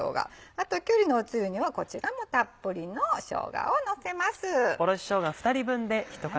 あときゅうりのお汁にはこちらもたっぷりのしょうがをのせます。